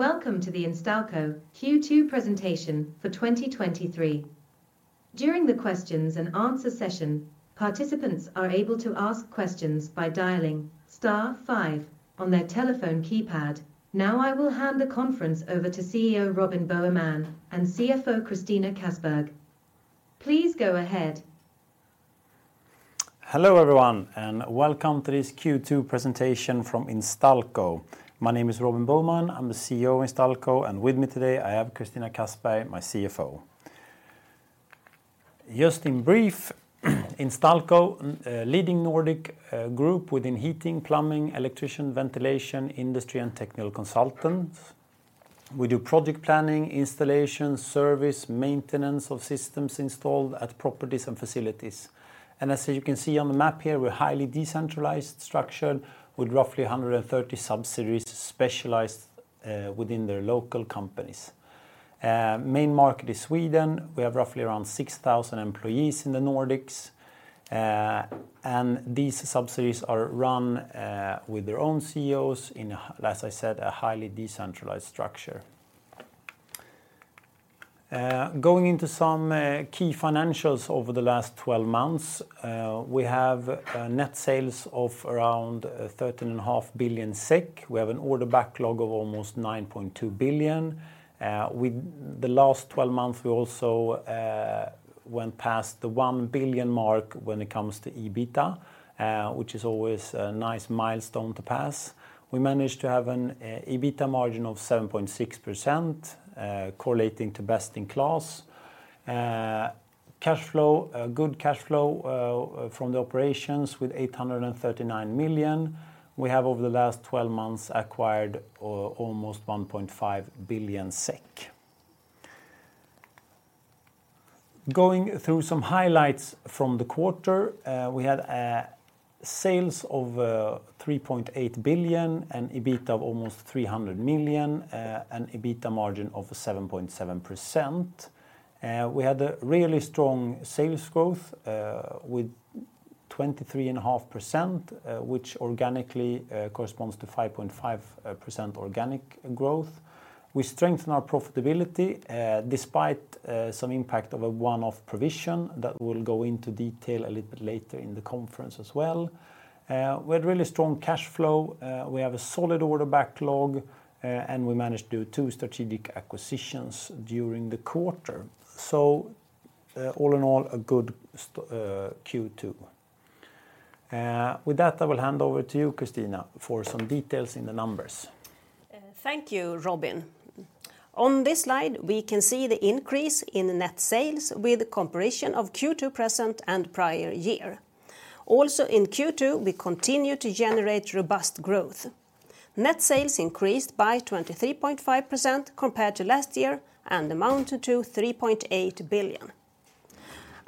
Welcome to the Instalco Q2 presentation for 2023. During the questions and answer session, participants are able to ask questions by dialing star five on their telephone keypad. Now, I will hand the conference over to CEO, Robin Boheman, and CFO, Christina Kassberg. Please go ahead. Hello, everyone. Welcome to this Q2 presentation from Instalco. My name is Robin Boheman. I'm the CEO of Instalco, and with me today, I have Christina Kassberg, my CFO. Just in brief, Instalco, a leading Nordic group within heating, plumbing, electrician, ventilation, industry, and technical consultant. We do project planning, installation, service, maintenance of systems installed at properties and facilities. As you can see on the map here, we're highly decentralized structured with roughly 130 subsidiaries specialized within their local companies. Main market is Sweden. We have roughly around 6,000 employees in the Nordics. These subsidiaries are run with their own CEOs in, as I said, a highly decentralized structure. Going into some key financials over the last 12 months, we have net sales of around 13.5 billion SEK. We have an order backlog of almost 9.2 billion. With the last 12 months, we also went past the 1 billion mark when it comes to EBITDA, which is always a nice milestone to pass. We managed to have an EBITDA margin of 7.6%, correlating to best-in-class. Cash flow, a good cash flow from the operations with 839 million. We have, over the last 12 months, acquired almost 1.5 billion SEK. Going through some highlights from the quarter, we had sales of 3.8 billion and EBITDA of almost 300 million, and EBITDA margin of 7.7%. We had a really strong sales growth with 23.5%, which organically corresponds to 5.5% organic growth. We strengthen our profitability despite some impact of a one-off provision that we'll go into detail a little bit later in the conference as well. We had really strong cash flow, we have a solid order backlog, and we managed to do two strategic acquisitions during the quarter. All in all, a good Q2. With that, I will hand over to you, Christina, for some details in the numbers. Thank you, Robin. On this slide, we can see the increase in the net sales with the comparison of Q2 present and prior year. Also, in Q2, we continue to generate robust growth. Net sales increased by 23.5% compared to last year and amounted to 3.8 billion.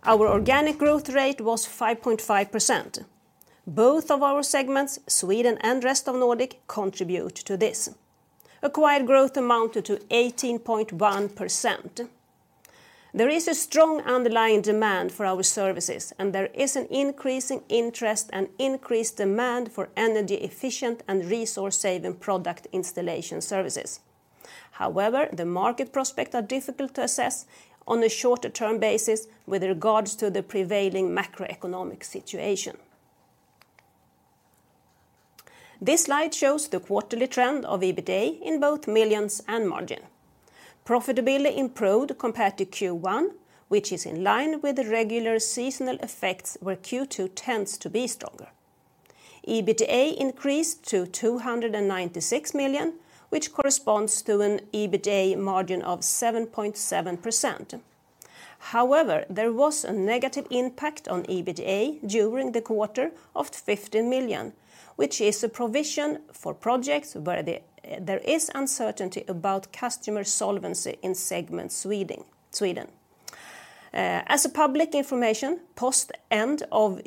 Our organic growth rate was 5.5%. Both of our segments, Sweden and Rest of Nordics, contribute to this. Acquired growth amounted to 18.1%. There is a strong underlying demand for our services, and there is an increasing interest and increased demand for energy efficient and resource-saving product installation services. However, the market prospects are difficult to assess on a shorter term basis with regards to the prevailing macroeconomic situation. This slide shows the quarterly trend of EBITDA in both millions and margin. Profitability improved compared to Q1, which is in line with the regular seasonal effects, where Q2 tends to be stronger. EBITDA increased to 296 million, which corresponds to an EBITDA margin of 7.7%. However, there was a negative impact on EBITDA during the quarter of 15 million, which is a provision for projects, where there is uncertainty about customer solvency in segment Sweden, Sweden. As a public information, post end of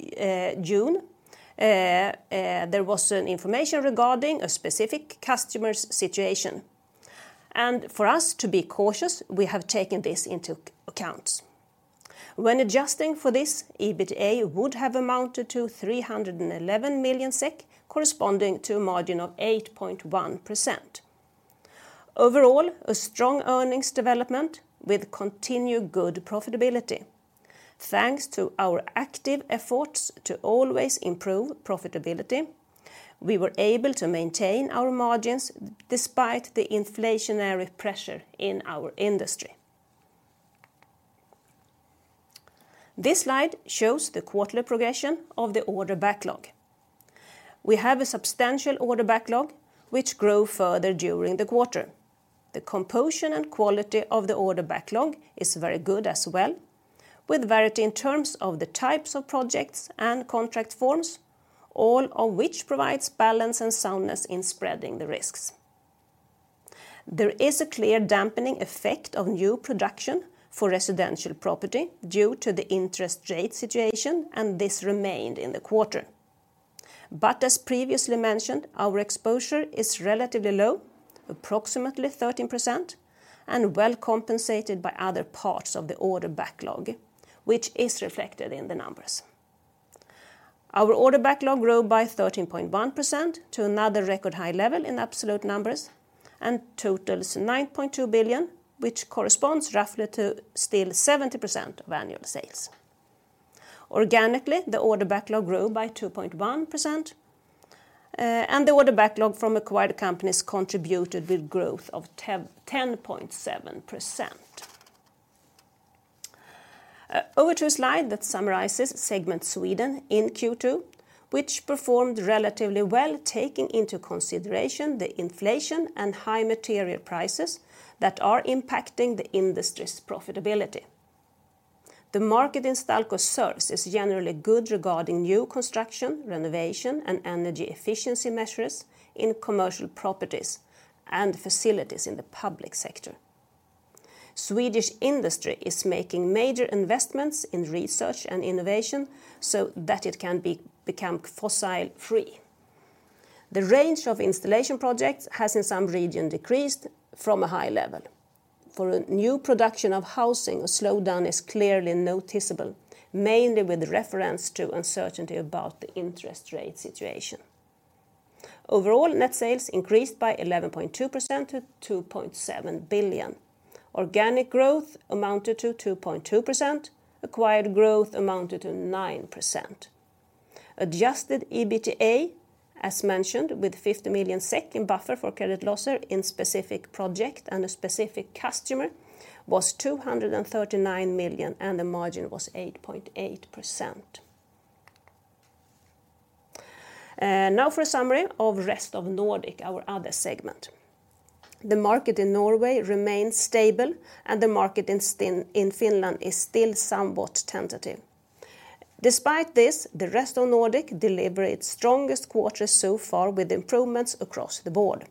June, there was an information regarding a specific customer's situation, and for us to be cautious, we have taken this into accounts. When adjusting for this, EBITDA would have amounted to 311 million SEK, corresponding to a margin of 8.1%. Overall, a strong earnings development with continued good profitability. Thanks to our active efforts to always improve profitability, we were able to maintain our margins despite the inflationary pressure in our industry. This slide shows the quarterly progression of the order backlog. We have a substantial order backlog, which grew further during the quarter. The composition and quality of the order backlog is very good as well, with variety in terms of the types of projects and contract forms, all of which provides balance and soundness in spreading the risks. There is a clear dampening effect on new production for residential property due to the interest rate situation, and this remained in the quarter. As previously mentioned, our exposure is relatively low, approximately 13%, and well compensated by other parts of the order backlog, which is reflected in the numbers. Our order backlog grew by 13.1% to another record high level in absolute numbers, and totals 9.2 billion, which corresponds roughly to still 70% of annual sales. Organically, the order backlog grew by 2.1%, and the order backlog from acquired companies contributed with growth of 10.7%. Over to a slide that summarizes segment Sweden in Q2, which performed relatively well, taking into consideration the inflation and high material prices that are impacting the industry's profitability. The market Instalco serves is generally good regarding new construction, renovation, and energy efficiency measures in commercial properties and facilities in the public sector. Swedish industry is making major investments in research and innovation, so that it can become fossil free. The range of installation projects has, in some region, decreased from a high level. For a new production of housing, a slowdown is clearly noticeable, mainly with reference to uncertainty about the interest rate situation. Overall, net sales increased by 11.2% to 2.7 billion. Organic growth amounted to 2.2%. Acquired growth amounted to 9%. Adjusted EBITDA, as mentioned, with 50 million SEK in buffer for credit losses in specific project and a specific customer, was 239 million, and the margin was 8.8%. Now for a summary of Rest of Nordics, our other segment. The market in Norway remains stable, and the market in Finland is still somewhat tentative. Despite this, the Rest of Nordics delivered its strongest quarter so far, with improvements across the board.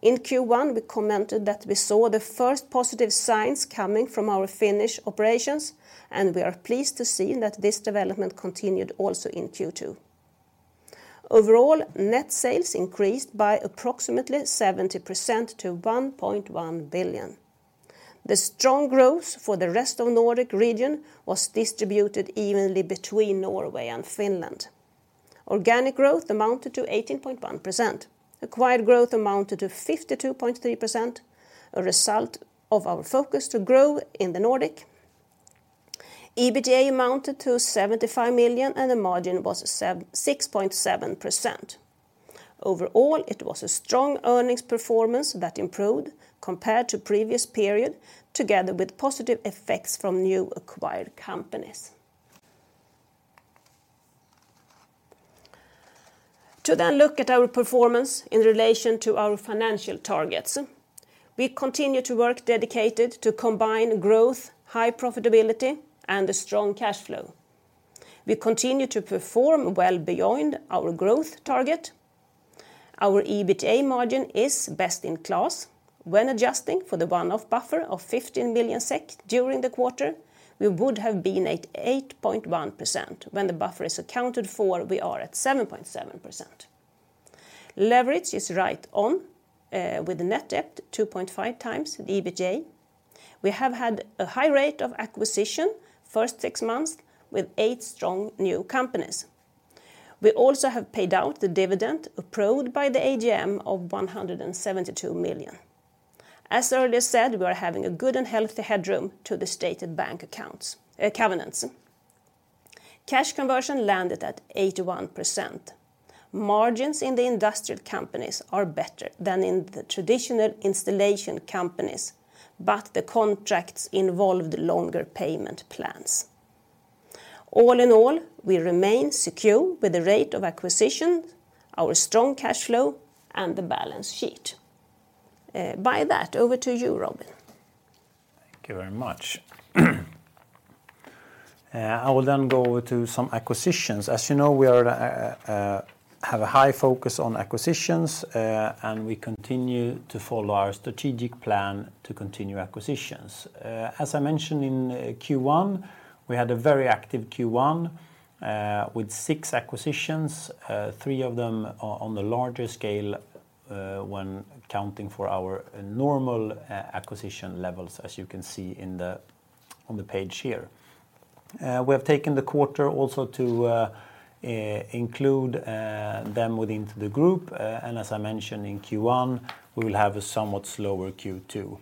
In Q1, we commented that we saw the first positive signs coming from our Finnish operations, and we are pleased to see that this development continued also in Q2. Overall, net sales increased by approximately 70% to 1.1 billion. The strong growth for the Rest of Nordics region was distributed evenly between Norway and Finland. Organic growth amounted to 18.1%. Acquired growth amounted to 52.3%, a result of our focus to grow in the Nordics. EBITDA amounted to 75 million, and the margin was 6.7%. Overall, it was a strong earnings performance that improved compared to previous period, together with positive effects from new acquired companies. To look at our performance in relation to our financial targets, we continue to work dedicated to combine growth, high profitability, and a strong cash flow. We continue to perform well beyond our growth target. Our EBITDA margin is best in class. When adjusting for the one-off buffer of 15 million SEK during the quarter, we would have been at 8.1%. When the buffer is accounted for, we are at 7.7%. Leverage is right on, with the net debt 2.5 times the EBITDA. We have had a high rate of acquisition, first six months, with eight strong new companies. We also have paid out the dividend approved by the AGM of 172 million. As earlier said, we are having a good and healthy headroom to the stated bank accounts, covenants. Cash conversion landed at 81%. Margins in the industrial companies are better than in the traditional installation companies, but the contracts involved longer payment plans. All in all, we remain secure with the rate of acquisition, our strong cash flow, and the balance sheet. By that, over to you, Robin. Thank you very much. I will then go to some acquisitions. As you know, we are, have a high focus on acquisitions, and we continue to follow our strategic plan to continue acquisitions. As I mentioned in Q1, we had a very active Q1, with 6 acquisitions, 3 of them on the larger scale, when counting for our normal acquisition levels, as you can see in the, on the page here. We have taken the quarter also to, include them within the group, and as I mentioned in Q1, we will have a somewhat slower Q2,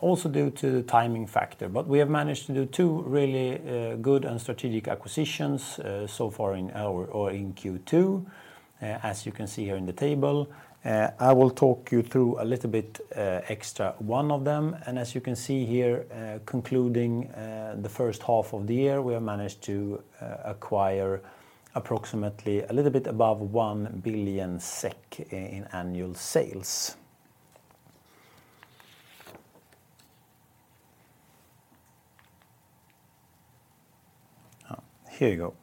also due to the timing factor. We have managed to do 2 really good and strategic acquisitions, so far in our, or in Q2, as you can see here in the table. I will talk you through a little bit extra one of them. As you can see here, concluding the first half of the year, we have managed to acquire approximately a little bit above 1 billion SEK in annual sales. Oh, here you go.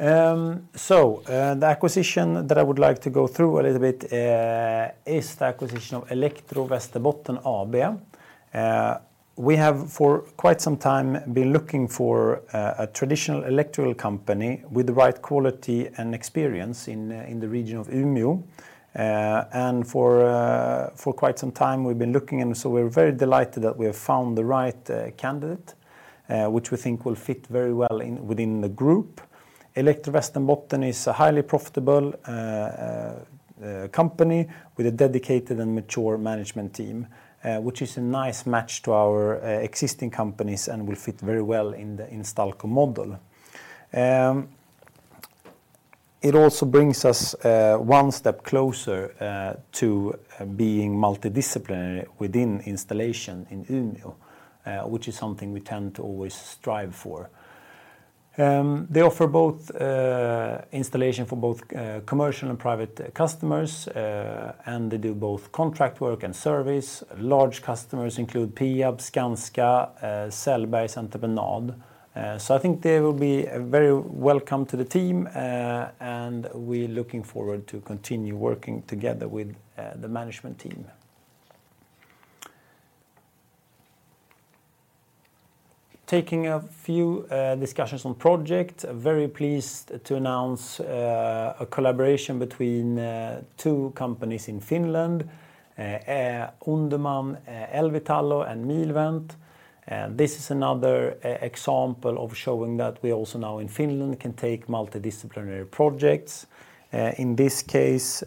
The acquisition that I would like to go through a little bit is the acquisition of Elektro Västerbotten AB. We have, for quite some time, been looking for a traditional electrical company with the right quality and experience in the region of Umeå. For quite some time, we've been looking, and so we're very delighted that we have found the right candidate. Which we think will fit very well in, within the group. Elektro Västerbotten is a highly profitable company with a dedicated and mature management team, which is a nice match to our existing companies and will fit very well in the Instalco model. It also brings us one step closer to being multidisciplinary within installation in Umeå, which is something we tend to always strive for. They offer both installation for both commercial and private customers, and they do both contract work and service. Large customers include Peab, Skanska, Selbergs Entreprenad. I think they will be very welcome to the team, and we're looking forward to continue working together with the management team. Taking a few discussions on project, very pleased to announce a collaboration between two companies in Finland, Uudenmaan LVI-Talo, and Milvent. This is another e-example of showing that we also now in Finland can take multidisciplinary projects. In this case,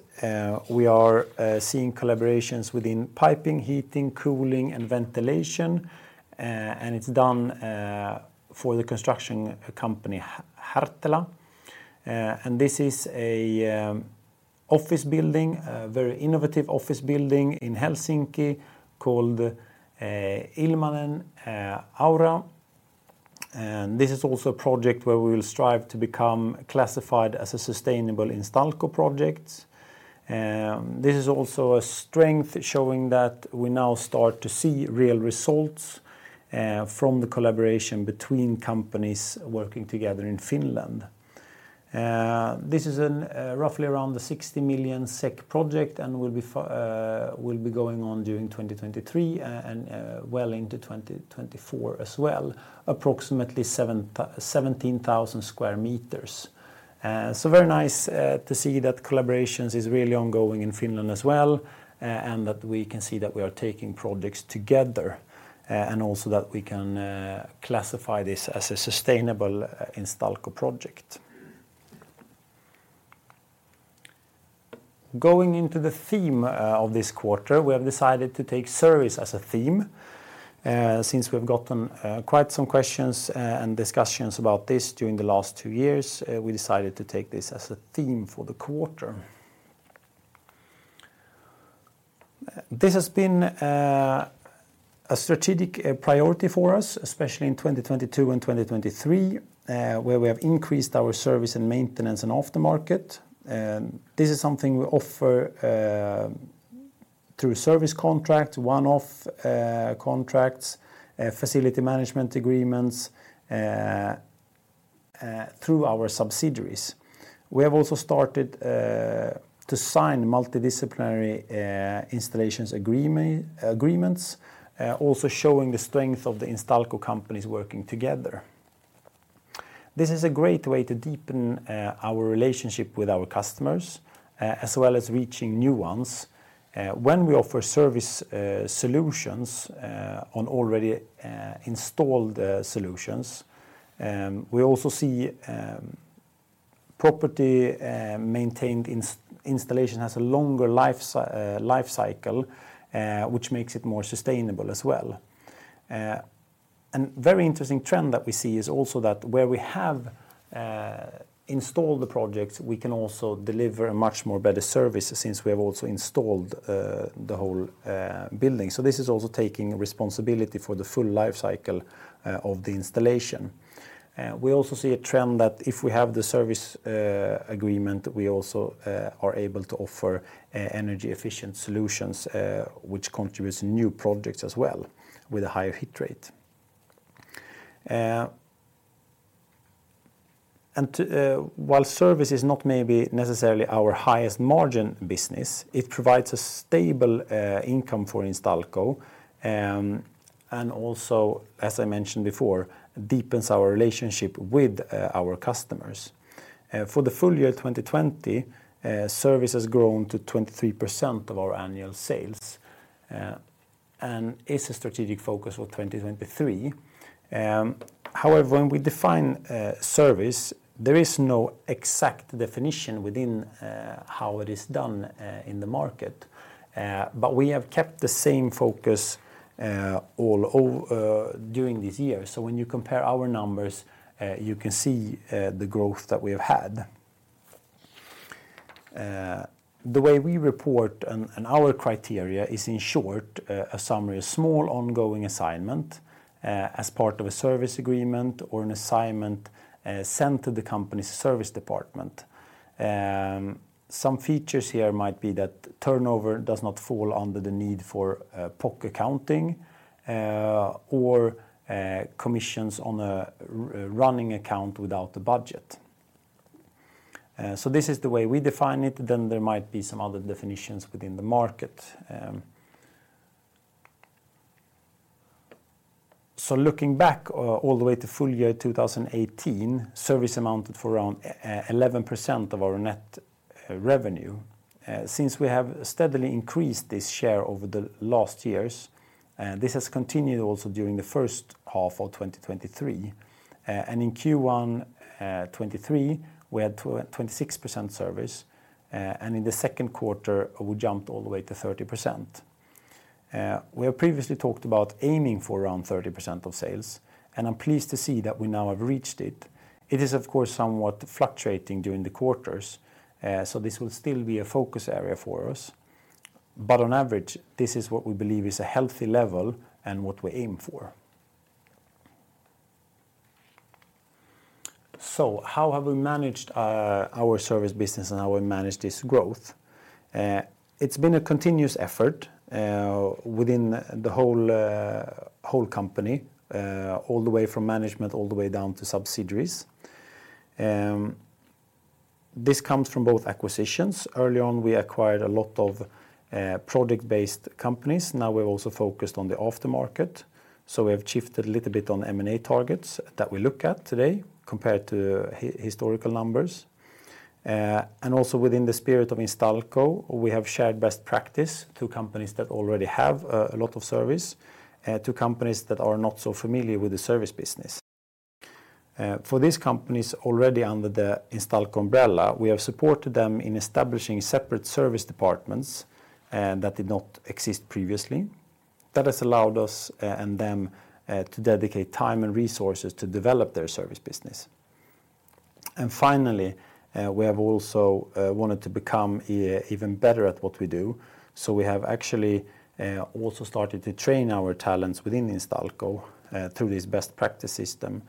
we are seeing collaborations within piping, heating, cooling, and ventilation, and it's done for the construction company, Hartela. This is a office building, a very innovative office building in Helsinki called Ilmalan Aura. This is also a project where we will strive to become classified as a sustainable Instalco project. This is also a strength showing that we now start to see real results from the collaboration between companies working together in Finland. This is an roughly around the 60 million SEK project and will be going on during 2023 and well into 2024 as well, approximately 17,000 sqm. Very nice to see that collaborations is really ongoing in Finland as well, and that we can see that we are taking projects together and also that we can classify this as a sustainable Instalco project. Going into the theme of this quarter, we have decided to take service as a theme. Since we've gotten quite some questions and discussions about this during the last two years, we decided to take this as a theme for the quarter. This has been a strategic priority for us, especially in 2022 and 2023, where we have increased our service and maintenance and aftermarket. This is something we offer through service contract, one-off contracts, facility management agreements, through our subsidiaries. We have also started to sign multidisciplinary installations agreements, also showing the strength of the Instalco companies working together. This is a great way to deepen our relationship with our customers, as well as reaching new ones. When we offer service solutions on already installed solutions, we also see property maintained installation has a longer life cycle, which makes it more sustainable as well. Very interesting trend that we see is also that where we have installed the projects, we can also deliver a much more better service since we have also installed the whole building. This is also taking responsibility for the full life cycle of the installation. We also see a trend that if we have the service agreement, we also are able to offer energy-efficient solutions, which contributes new projects as well with a higher hit rate. To, while service is not maybe necessarily our highest margin business, it provides a stable income for Instalco, and also, as I mentioned before, deepens our relationship with our customers. For the full year 2020, service has grown to 23% of our annual sales and is a strategic focus for 2023. However, when we define service, there is no exact definition within how it is done in the market. We have kept the same focus all during this year. When you compare our numbers, you can see the growth that we have had. The way we report and our criteria is, in short, a summary, a small, ongoing assignment as part of a service agreement or an assignment sent to the company's service department. Some features here might be that turnover does not fall under the need for POC accounting or commissions on a running account without the budget. This is the way we define it, then there might be some other definitions within the market. Looking back, all the way to full year 2018, service amounted for around 11% of our net revenue, since we have steadily increased this share over the last years, and this has continued also during the first half of 2023. And in Q1 2023, we had 26% service, and in the second quarter, we jumped all the way to 30%. We have previously talked about aiming for around 30% of sales, and I'm pleased to see that we now have reached it. It is, of course, somewhat fluctuating during the quarters, so this will still be a focus area for us. On average, this is what we believe is a healthy level and what we aim for. How have we managed our service business, and how we manage this growth? It's been a continuous effort within the whole whole company all the way from management, all the way down to subsidiaries. This comes from both acquisitions. Early on, we acquired a lot of product-based companies. Now, we've also focused on the aftermarket, so we have shifted a little bit on M&A targets that we look at today compared to historical numbers. Also within the spirit of Instalco, we have shared best practice to companies that already have a lot of service to companies that are not so familiar with the service business. For these companies already under the Instalco umbrella, we have supported them in establishing separate service departments that did not exist previously. That has allowed us and them to dedicate time and resources to develop their service business. Finally, we have also wanted to become even better at what we do, so we have actually also started to train our talents within Instalco through this best practice system.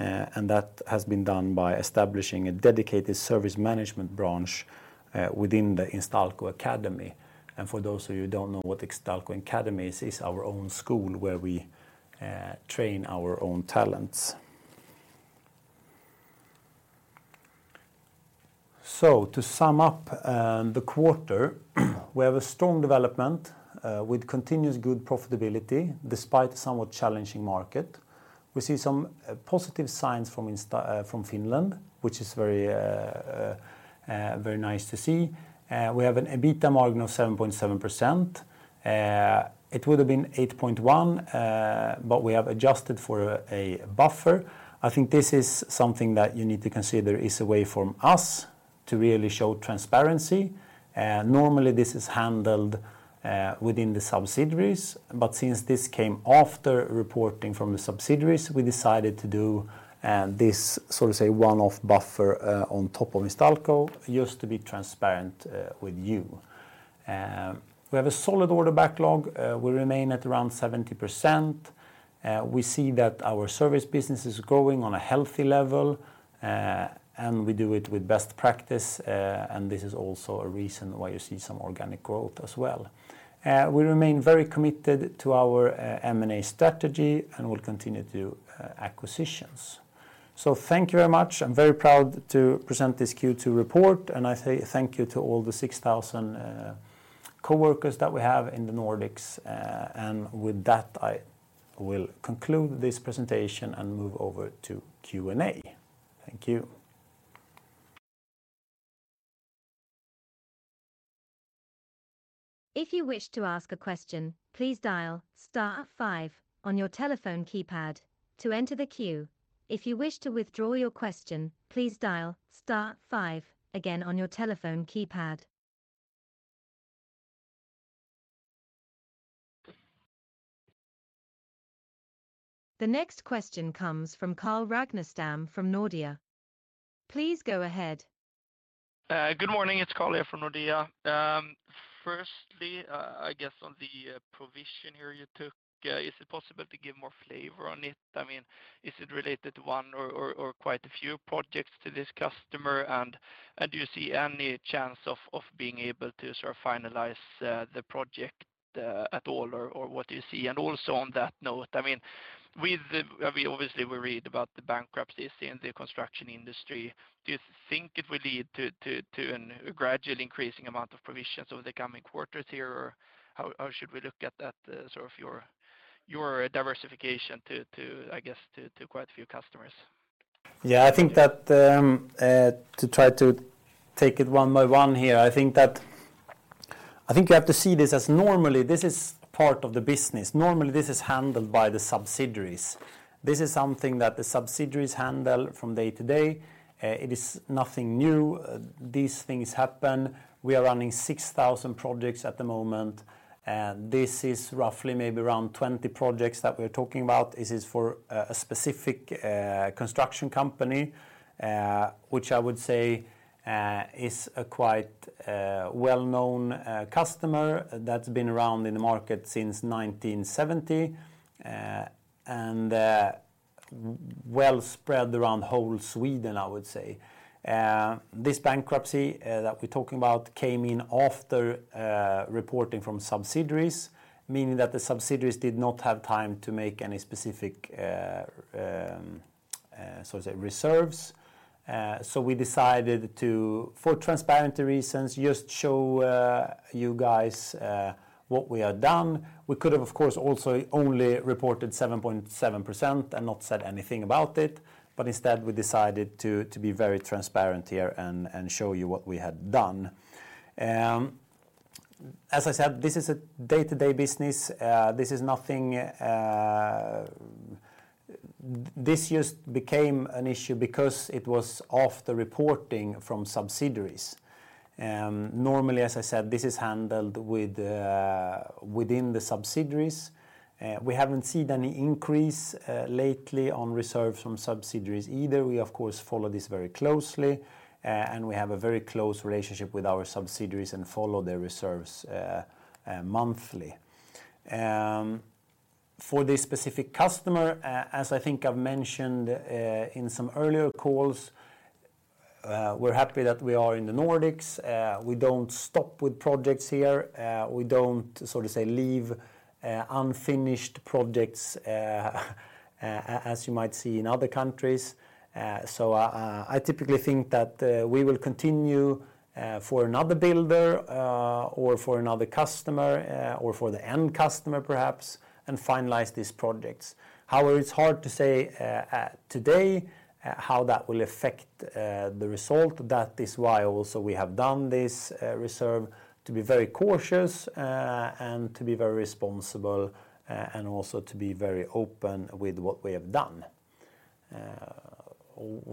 And that has been done by establishing a dedicated service management branch within the Instalco Academy. For those of you who don't know what Instalco Academy is, it's our own school, where we train our own talents. To sum up, the quarter, we have a strong development with continuous good profitability, despite a somewhat challenging market. We see some positive signs from Insta, from Finland, which is very, very nice to see. We have an EBITDA margin of 7.7%. It would have been 8.1, but we have adjusted for a buffer. I think this is something that you need to consider is a way from us to really show transparency. Normally, this is handled within the subsidiaries, but since this came after reporting from the subsidiaries, we decided to do this, so to say, one-off buffer, on top of Instalco, just to be transparent with you. We have a solid order backlog. We remain at around 70%. We see that our service business is growing on a healthy level, and we do it with best practice, and this is also a reason why you see some organic growth as well. We remain very committed to our M&A strategy and will continue to acquisitions. Thank you very much. I'm very proud to present this Q2 report, and I say thank you to all the 6,000 coworkers that we have in the Nordics. And with that, I will conclude this presentation and move over to Q&A. Thank you. If you wish to ask a question, please dial star five on your telephone keypad to enter the queue. If you wish to withdraw your question, please dial star five again on your telephone keypad. The next question comes from Carl Ragnerstam from Nordea. Please go ahead. Good morning. It's Carl here from Nordea. Firstly, I guess on the provision here you took, is it possible to give more flavor on it? I mean, is it related to one or, or, or quite a few projects to this customer? Do you see any chance of being able to sort of finalize the project at all, or, or what do you see? Also on that note, I mean, we've, we obviously, we read about the bankruptcies in the construction industry. Do you think it will lead to, to, to an gradually increasing amount of provisions over the coming quarters here, or how, how should we look at that sort of your, your diversification to, to, I guess, to, to quite a few customers? Yeah, I think that, to try to take it one by one here, I think that you have to see this as normally, this is part of the business. Normally, this is handled by the subsidiaries. This is something that the subsidiaries handle from day to day. It is nothing new. These things happen. We are running 6,000 projects at the moment, and this is roughly, maybe around 20 projects that we're talking about. This is for a specific construction company, which I would say, is a quite well-known customer that's been around in the market since 1970, and well spread around the whole Sweden, I would say. This bankruptcy that we're talking about came in after reporting from subsidiaries, meaning that the subsidiaries did not have time to make any specific so to say, reserves. We decided to, for transparency reasons, just show you guys what we have done. We could have, of course, also only reported 7.7% and not said anything about it, but instead, we decided to, to be very transparent here and, and show you what we had done. As I said, this is a day-to-day business, this is nothing, this just became an issue because it was off the reporting from subsidiaries. Normally, as I said, this is handled with the, within the subsidiaries. We haven't seen any increase lately on reserves from subsidiaries either. We, of course, follow this very closely, and we have a very close relationship with our subsidiaries and follow their reserves monthly. For this specific customer, as I think I've mentioned in some earlier calls, we're happy that we are in the Nordics. We don't stop with projects here. We don't, so to say, leave unfinished projects as you might see in other countries. I typically think that we will continue for another builder, or for another customer, or for the end customer, perhaps, and finalize these projects. However, it's hard to say today how that will affect the result. That is why also we have done this, reserve, to be very cautious, and to be very responsible, and also to be very open with what we have done.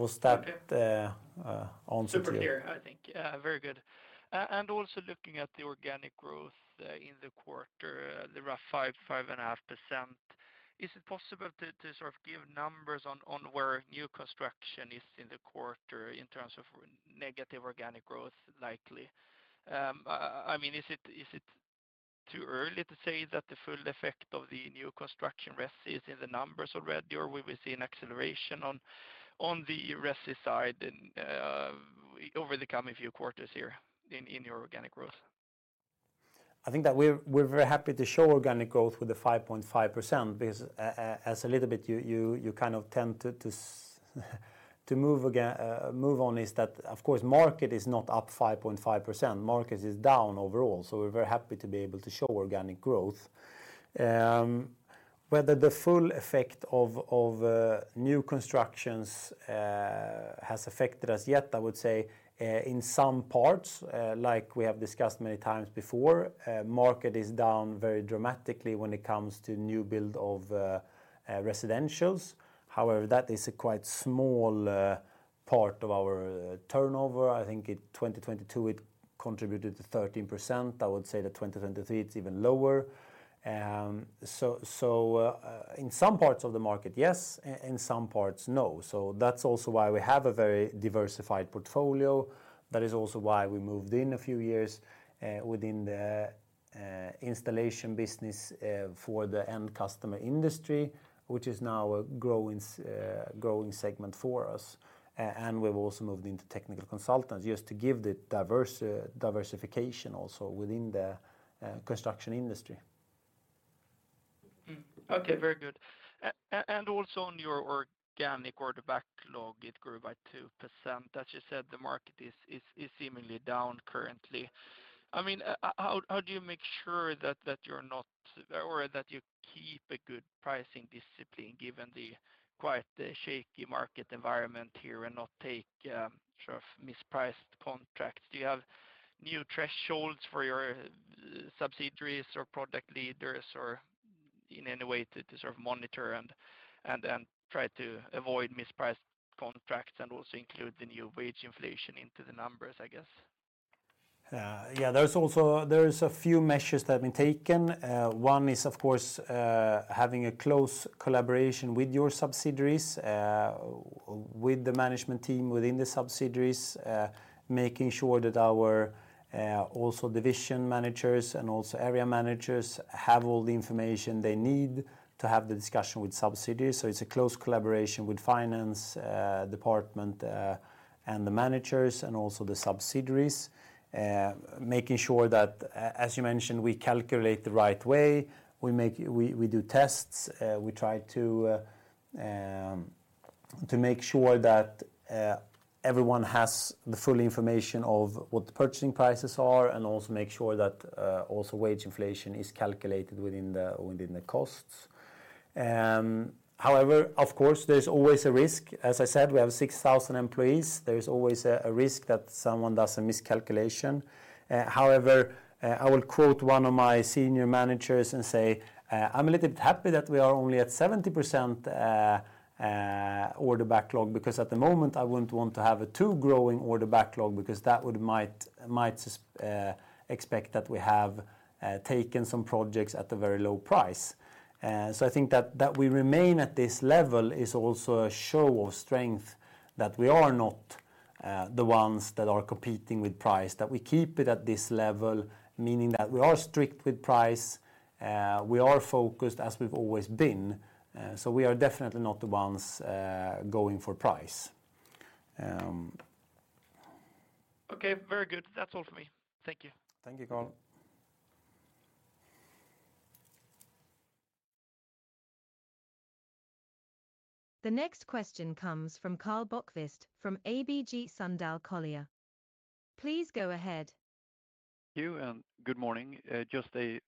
Was that answer to you? Super clear, I think. Very good. Also looking at the organic growth, in the quarter, the rough 5-5.5%, is it possible to sort of give numbers on where new construction is in the quarter in terms of negative organic growth likely? I mean, is it too early to say that the full effect of the new construction resi is in the numbers already, or we will see an acceleration on the resi side, over the coming few quarters here in your organic growth? I think that we're, we're very happy to show organic growth with 5.5% because, as a little bit, you, you, you kind of tend to, to, to move on, is that of course, market is not up 5.5%. Market is down overall, so we're very happy to be able to show organic growth. Whether the full effect of new constructions has affected us yet, I would say, in some parts, like we have discussed many times before, market is down very dramatically when it comes to new build of residentials. However, that is a quite small part of our turnover. I think in 2022, it contributed to 13%. I would say that 2023, it's even lower. In some parts of the market, yes, in some parts, no. That's also why we have a very diversified portfolio. That is also why we moved in a few years within the installation business for the end customer industry, which is now a growing, growing segment for us. We've also moved into technical consultants, just to give the diverse diversification also within the construction industry. Mm. Okay, very good. Also on your organic order backlog, it grew by 2%. As you said, the market is, is, is seemingly down currently. I mean, how, how do you make sure that, that you're not... or that you keep a good pricing discipline, given the quite shaky market environment here, and not take, sort of mispriced contracts? Do you have new thresholds for your subsidiaries or product leaders, or in any way to sort of monitor and, and, and try to avoid mispriced contracts, and also include the new wage inflation into the numbers, I guess? Yeah, there's also there is a few measures that have been taken. One is, of course, having a close collaboration with your subsidiaries, with the management team within the subsidiaries. Making sure that our, also division managers and also area managers have all the information they need to have the discussion with subsidiaries. It's a close collaboration with finance, department, and the managers, and also the subsidiaries. Making sure that as you mentioned, we calculate the right way. We, we do tests, we try to make sure that everyone has the full information of what the purchasing prices are, and also make sure that, also, wage inflation is calculated within the, within the costs. However, of course, there's always a risk. As I said, we have 6,000 employees. There is always a, a risk that someone does a miscalculation. However, I will quote one of my senior managers and say, "I'm a little bit happy that we are only at 70% order backlog, because at the moment I wouldn't want to have a too growing order backlog, because that would, might, might expect that we have taken some projects at a very low price." I think that, that we remain at this level is also a show of strength, that we are not the ones that are competing with price, that we keep it at this level, meaning that we are strict with price, we are focused as we've always been, we are definitely not the ones going for price. Okay, very good. That's all for me. Thank you. Thank you, Carl. The next question comes from Karl Bokvist, from ABG Sundal Collier. Please go ahead. You, good morning. Just a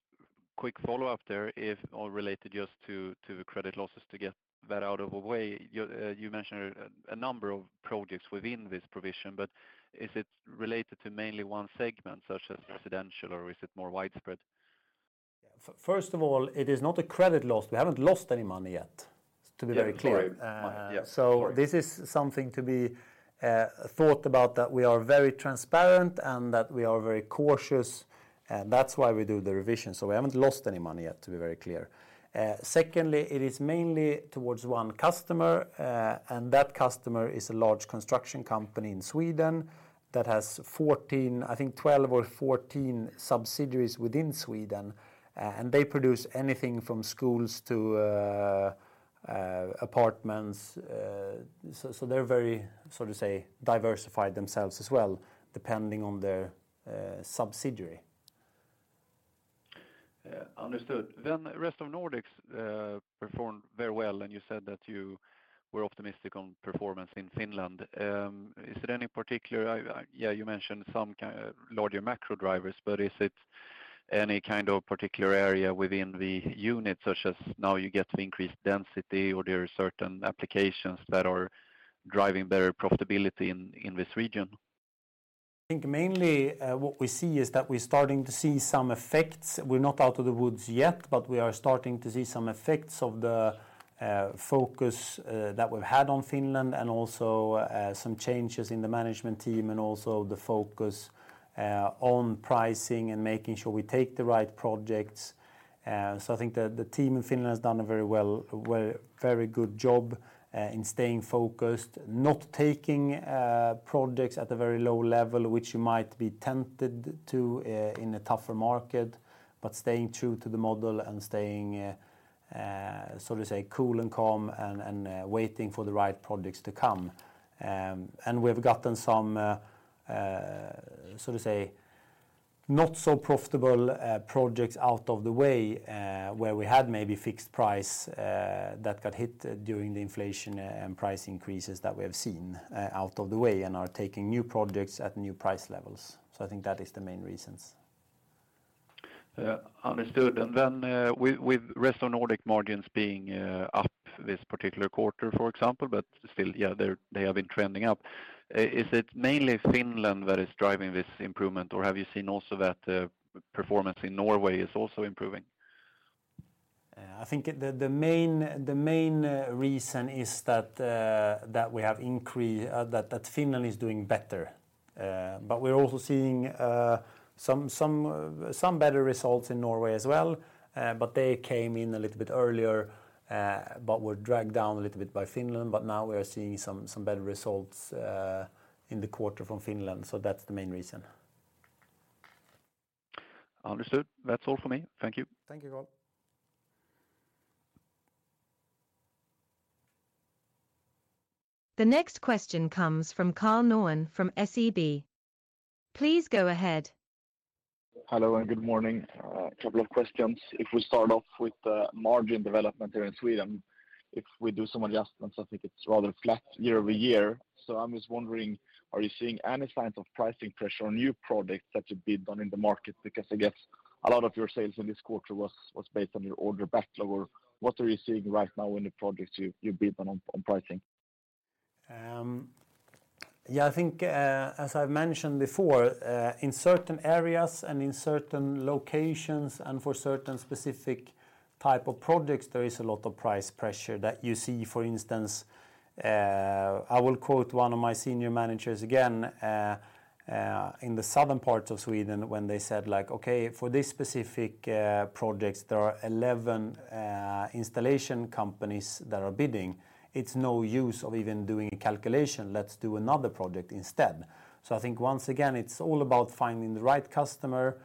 quick follow-up there, if all related just to credit losses to get that out of the way. You mentioned a number of projects within this provision, but is it related to mainly one segment, such as residential, or is it more widespread? First of all, it is not a credit loss. We haven't lost any money yet, to be very clear. Yeah, sorry. This is something to be thought about, that we are very transparent and that we are very cautious, and that's why we do the revision. We haven't lost any money yet, to be very clear. Secondly, it is mainly towards one customer, and that customer is a large construction company in Sweden that has 14, I think, 12 or 14 subsidiaries within Sweden, and they produce anything from schools to apartments. They're very, so to say, diversified themselves as well, depending on their subsidiary. Understood. Rest of Nordics performed very well. You said that you were optimistic on performance in Finland. Is it any particular? Yeah, you mentioned some larger macro drivers, but is it any kind of particular area within the unit, such as now you get the increased density, or there are certain applications that are driving better profitability in this region? I think mainly, what we see is that we're starting to see some effects. We're not out of the woods yet, we are starting to see some effects of the focus that we've had on Finland and also some changes in the management team, and also the focus on pricing and making sure we take the right projects. I think the team in Finland has done a very well, well, very good job in staying focused, not taking projects at a very low level, which you might be tempted to in a tougher market, but staying true to the model and staying so to say, cool and calm and waiting for the right projects to come. We've gotten some, so to say, not so profitable, projects out of the way, where we had maybe fixed price, that got hit during the inflation, and price increases that we have seen, out of the way, and are taking new projects at new price levels. I think that is the main reasons. Yeah, understood. With, with Rest of Nordics margins being up this particular quarter, for example, but still, yeah, they're, they have been trending up, is it mainly Finland that is driving this improvement, or have you seen also that performance in Norway is also improving? I think the main reason is that, that Finland is doing better. We're also seeing, some, some, some better results in Norway as well, but they came in a little bit earlier, but were dragged down a little bit by Finland. Now we are seeing some, some better results, in the quarter from Finland. That's the main reason. Understood. That's all for me. Thank you. Thank you, Carl. The next question comes from Carl Norén from SEB. Please go ahead. Hello, good morning. A couple of questions. If we start off with the margin development here in Sweden, if we do some adjustments, I think it's rather flat year-over-year. I'm just wondering, are you seeing any signs of pricing pressure on new projects that you bid on in the market? I guess a lot of your sales in this quarter was based on your order backlog. What are you seeing right now in the projects you bid on, on pricing? Yeah, I think, as I've mentioned before, in certain areas and in certain locations, and for certain specific type of projects, there is a lot of price pressure that you see. For instance, I will quote one of my senior managers again, in the southern parts of Sweden when they said, like, "Okay, for this specific projects, there are 11 installation companies that are bidding. It's no use of even doing a calculation. Let's do another project instead." I think once again, it's all about finding the right customer,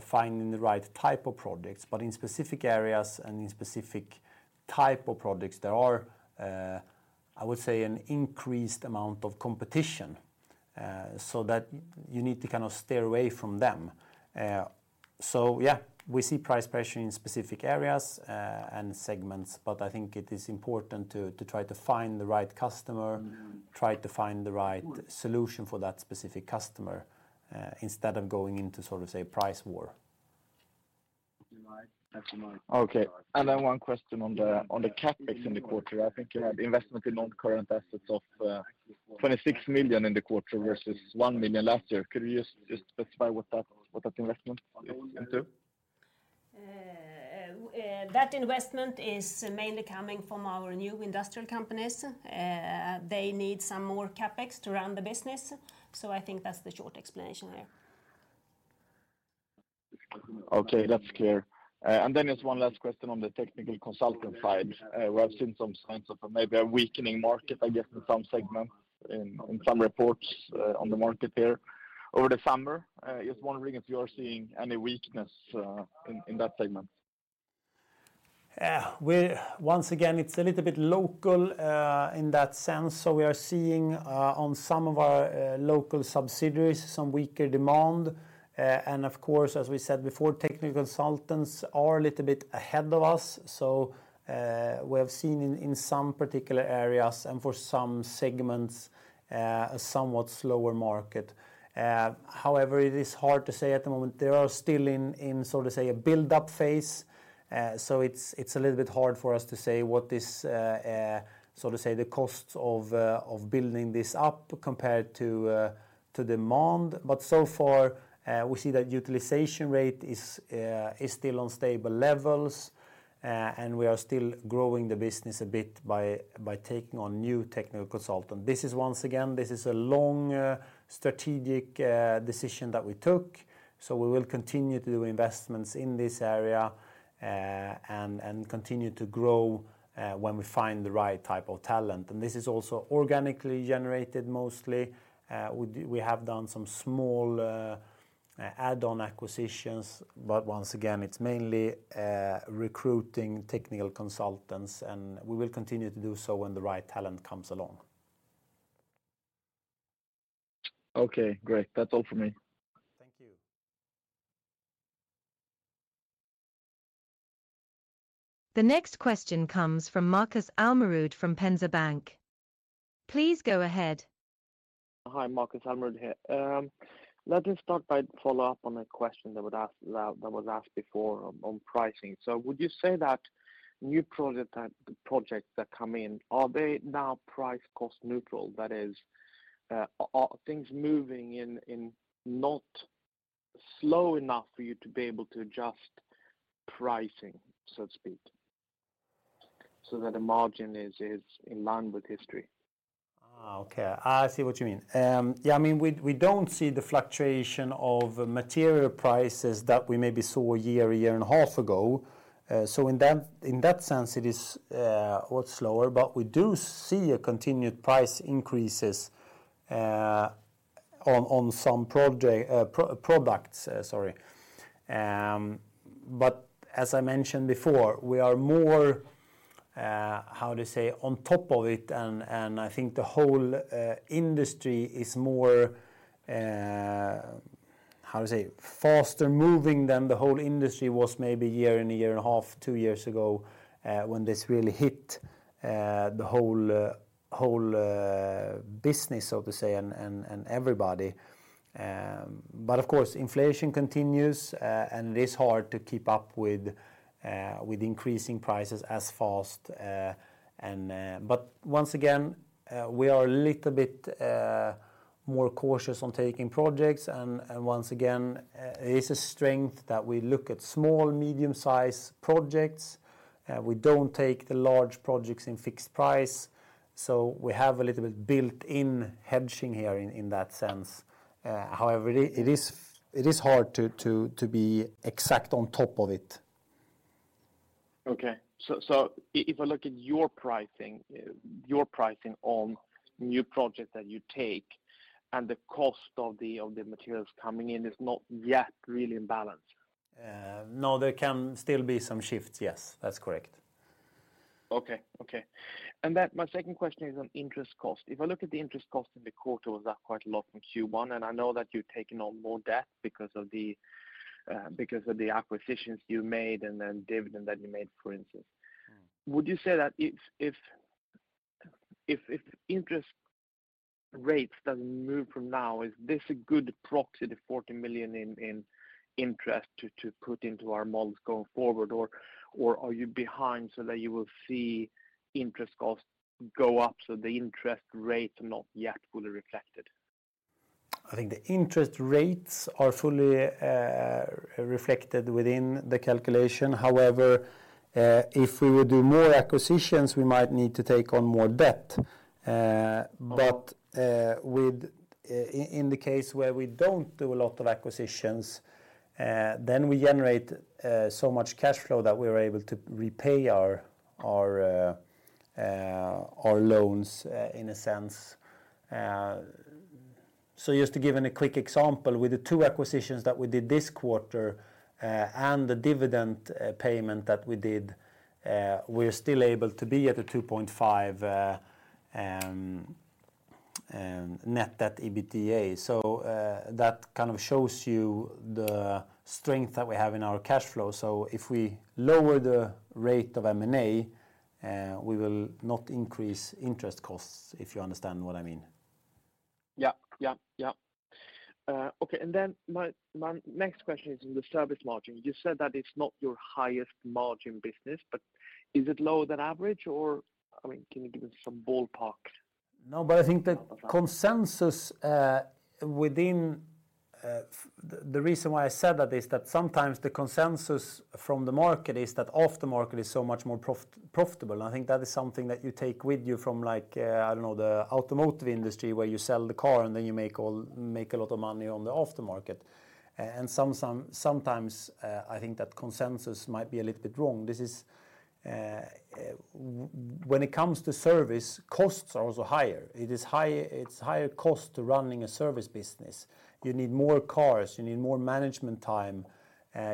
finding the right type of projects. In specific areas and in specific type of projects, there are, I would say, an increased amount of competition, so that you need to kind of steer away from them. Yeah, we see price pressure in specific areas, and segments. I think it is important to try to find the right customer, try to find the right solution for that specific customer, instead of going into sort of a price war. Okay. Then one question on the, on the CapEx in the quarter. I think you had investment in non-current assets of 26 million in the quarter versus 1 million last year. Could you just, just specify what that, what that investment into? That investment is mainly coming from our new industrial companies. They need some more CapEx to run the business, so I think that's the short explanation there. Okay, that's clear. Just one last question on the technical consultant side, where I've seen some signs of maybe a weakening market, I guess, in some segments, in, in some reports, on the market there over the summer. Just wondering if you are seeing any weakness, in, in that segment?... We, once again, it's a little bit local in that sense. We are seeing on some of our local subsidiaries, some weaker demand. Of course, as we said before, technical consultants are a little bit ahead of us. We have seen in some particular areas and for some segments, a somewhat slower market. However, it is hard to say at the moment, they are still in, so to say, a build-up phase. It's, it's a little bit hard for us to say what this, so to say, the costs of building this up compared to demand. So far, we see that utilization rate is still on stable levels, and we are still growing the business a bit by taking on new technical consultant. This is once again, this is a long strategic decision that we took, so we will continue to do investments in this area, and continue to grow when we find the right type of talent. This is also organically generated mostly. We have done some small add-on acquisitions, but once again, it's mainly recruiting technical consultants, and we will continue to do so when the right talent comes along. Okay, great. That's all for me. Thank you. The next question comes from Markus Almerud, from Erik Penser Bank. Please go ahead. Hi, Markus Almerud here. let me start by follow up on a question that was asked that was asked before on, on pricing. Would you say that new project that, projects that come in, are they now price cost neutral? That is, are, are things moving in, in not slow enough for you to be able to adjust pricing, so to speak, so that the margin is, is in line with history? Ah, okay. I see what you mean. Yeah, I mean, we, we don't see the fluctuation of material prices that we maybe saw 1 year, 1.5 years ago. So in that, in that sense, it is lot slower, but we do see a continued price increases on, on some project products, sorry. But as I mentioned before, we are more, how to say? On top of it, and, and I think the whole industry is more, how to say? Faster moving than the whole industry was maybe 1 year and 1.5 years, 2 years ago, when this really hit the whole, whole business, so to say, and, and, and everybody. Of course, inflation continues, and it is hard to keep up with increasing prices as fast. Once again, we are a little bit more cautious on taking projects, and once again, it is a strength that we look at small, medium-size projects. We don't take the large projects in fixed price, so we have a little bit built-in hedging here in, in that sense. However, it is, it is hard to, to, to be exact on top of it. Okay. If I look at your pricing, your pricing on new projects that you take, and the cost of the, of the materials coming in is not yet really in balance? No, there can still be some shifts. Yes, that's correct. Okay, okay. My second question is on interest cost. If I look at the interest cost in the quarter, was up quite a lot from Q1, and I know that you're taking on more debt because of the because of the acquisitions you made, and then dividend that you made, for instance. Mm. Would you say that if interest rates doesn't move from now, is this a good proxy, the 40 million in interest, to put into our models going forward? Or are you behind so that you will see interest costs go up, so the interest rates are not yet fully reflected? I think the interest rates are fully reflected within the calculation. However, if we would do more acquisitions, we might need to take on more debt. Mm. In the case where we don't do a lot of acquisitions, then we generate so much cash flow that we're able to repay our loans in a sense. Just to give a quick example, with the 2 acquisitions that we did this quarter and the dividend payment that we did, we're still able to be at a 2.5 Net debt/EBITDA. That kind of shows you the strength that we have in our cash flow. If we lower the rate of M&A, we will not increase interest costs, if you understand what I mean. Yeah, yeah, yeah. Okay, and then my, my next question is on the service margin. You said that it's not your highest margin business, but is it lower than average, or, I mean, can you give us some ballpark? No, but I think the consensus within. The reason why I said that is that sometimes the consensus from the market is that after-market is so much more profitable. I think that is something that you take with you from like, I don't know, the automotive industry, where you sell the car, and then you make a lot of money on the after-market. And sometimes, I think that consensus might be a little bit wrong. This is when it comes to service, costs are also higher. It's higher cost to running a service business. You need more cars, you need more management time,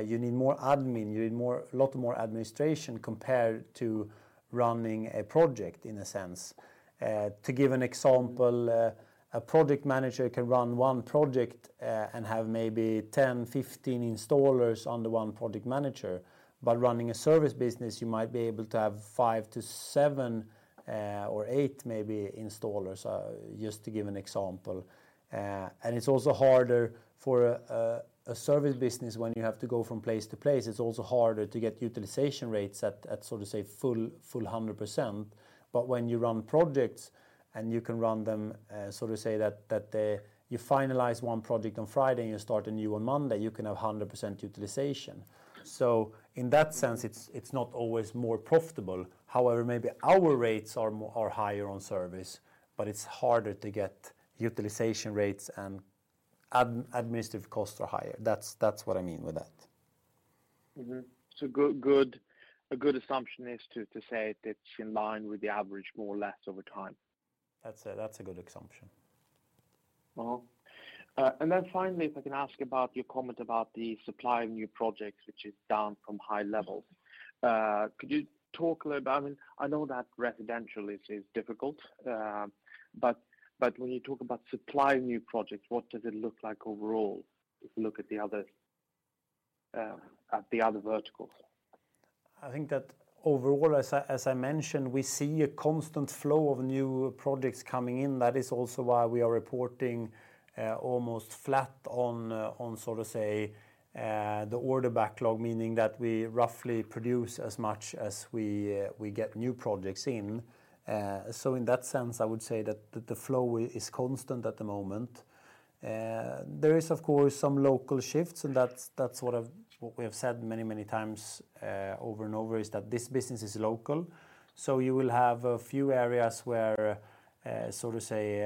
you need more admin, you need more, a lot more administration compared to running a project, in a sense. To give an example. A project manager can run 1 project and have maybe 10, 15 installers under 1 project manager. Running a service business, you might be able to have 5-7 or 8 maybe installers, just to give an example. It's also harder for a service business when you have to go from place to place. It's also harder to get utilization rates at, at, so to say, full, full 100%. When you run projects and you can run them, so to say that, that, you finalize 1 project on Friday, and you start a new on Monday, you can have a 100% utilization. In that sense, it's, it's not always more profitable. However, maybe our rates are higher on service, but it's harder to get utilization rates and administrative costs are higher. That's, that's what I mean with that. Mm-hmm. A good assumption is to say that it's in line with the average, more or less, over time. That's a, that's a good assumption. Then finally, if I can ask about your comment about the supply of new projects, which is down from high levels. Could you talk a little about... I mean, I know that residentially is, is difficult, but, but when you talk about supply of new projects, what does it look like overall, if you look at the other, at the other verticals? I think that overall, as I, as I mentioned, we see a constant flow of new projects coming in. That is also why we are reporting almost flat on, on, so to say, the order backlog, meaning that we roughly produce as much as we get new projects in. So in that sense, I would say that the flow is constant at the moment. There is, of course, some local shifts, and that's, that's what we have said many, many times, over and over, is that this business is local. You will have a few areas where, so to say,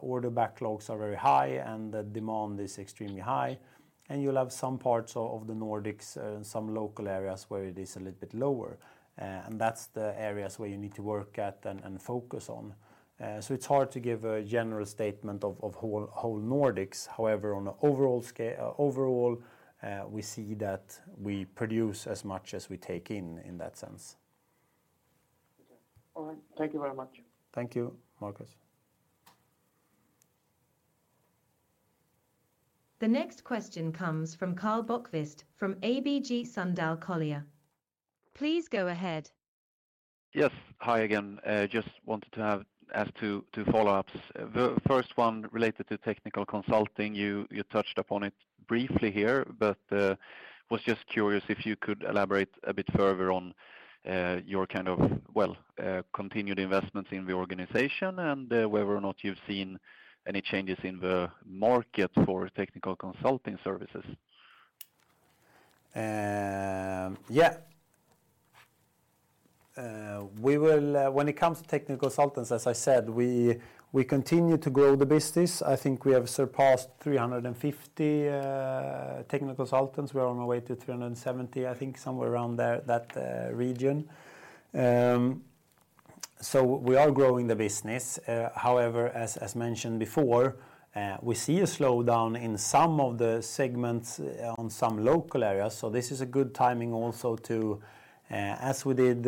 order backlogs are very high and the demand is extremely high, and you'll have some parts of the Nordics and some local areas where it is a little bit lower. That's the areas where you need to work at and, and focus on. It's hard to give a general statement of, of whole, whole Nordics. However, on an overall scale, overall, we see that we produce as much as we take in, in that sense. Okay. All right. Thank you very much. Thank you, Markus. The next question comes from Karl Bokvist from ABG Sundal Collier. Please go ahead. Yes. Hi again. just wanted to have... ask 2, 2 follow-ups. The first one related to technical consulting. You, you touched upon it briefly here, but, was just curious if you could elaborate a bit further on, your kind of, well, continued investments in the organization and, whether or not you've seen any changes in the market for technical consulting services. Yeah. We will, when it comes to technical consultants, as I said, we, we continue to grow the business. I think we have surpassed 350 technical consultants. We are on our way to 370, I think somewhere around there, that region. We are growing the business. However, as, as mentioned before, we see a slowdown in some of the segments on some local areas. This is a good timing also to, as we did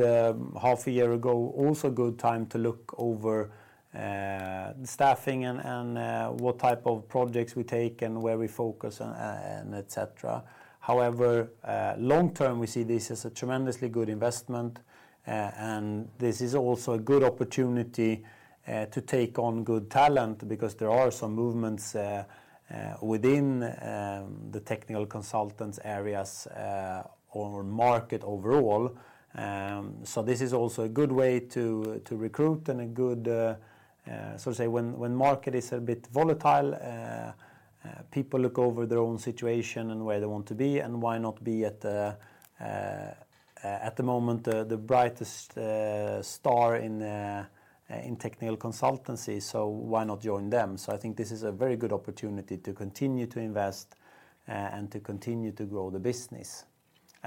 half a year ago, also a good time to look over staffing and, and, what type of projects we take and where we focus, and et cetera. However, long term, we see this as a tremendously good investment, and this is also a good opportunity, to take on good talent because there are some movements within the technical consultants areas, or market overall. This is also a good way to, to recruit and a good, so say, when, when market is a bit volatile, people look over their own situation and where they want to be, and why not be at the, at the moment, the, the brightest star in, in technical consultancy, so why not join them? I think this is a very good opportunity to continue to invest, and to continue to grow the business.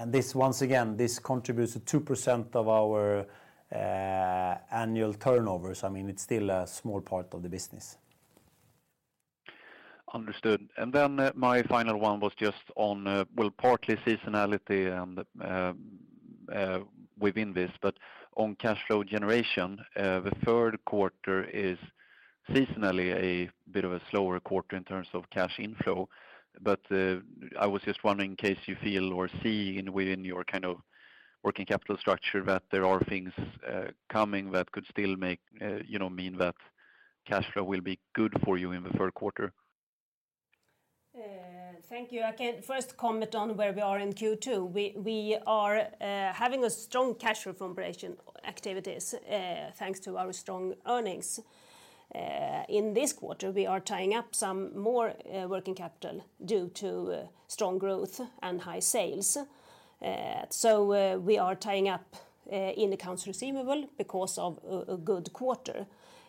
This, once again, this contributes to 2% of our annual turnovers. I mean, it's still a small part of the business. Understood. My final one was just on, well, partly seasonality and within this, but on cash flow generation, the third quarter is seasonally a bit of a slower quarter in terms of cash inflow. I was just wondering, in case you feel or see in within your kind of working capital structure, that there are things coming that could still make, you know, mean that cash flow will be good for you in the third quarter. Thank you. I can first comment on where we are in Q2. We, we are having a strong cash flow from operation activities, thanks to our strong earnings. In this quarter, we are tying up some more working capital due to strong growth and high sales. So, we are tying up in accounts receivable because of a good quarter.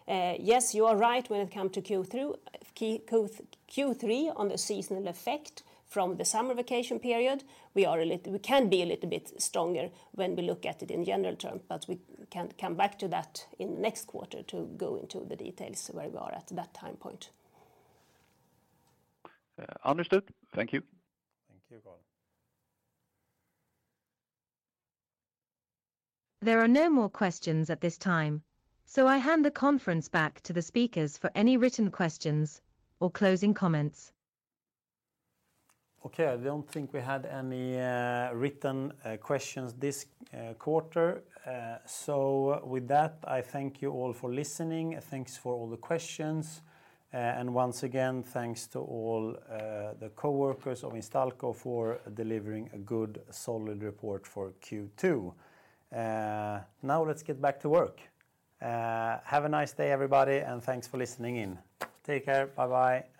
Yes, you are right, when it come to Q3, Q3, on the seasonal effect from the summer vacation period, we are a little-- we can be a little bit stronger when we look at it in general term, but we can come back to that in next quarter to go into the details where we are at that time point. Understood. Thank you. Thank you, Carl. There are no more questions at this time. I hand the conference back to the speakers for any written questions or closing comments. Okay. I don't think we had any written questions this quarter. With that, I thank you all for listening. Thanks for all the questions. Once again, thanks to all the coworkers of Instalco for delivering a good, solid report for Q2. Let's get back to work. Have a nice day, everybody, and thanks for listening in. Take care. Bye-bye.